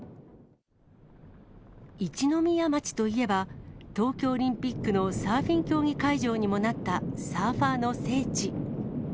一宮町といえば、東京オリンピックのサーフィン競技会場にもなった、サーファーの聖地。